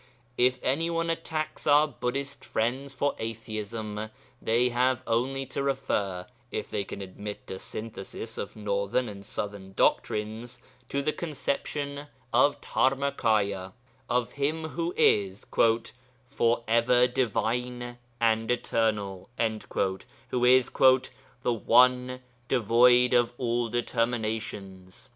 If any one attacks our Buddhist friends for atheism, they have only to refer (if they can admit a synthesis of northern and southern doctrines) to the conception of Dharmakâya, of Him who is 'for ever Divine and Eternal,' who is 'the One, devoid of all determinations.'